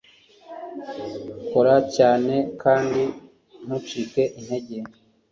kora cyane kandi ntucike intege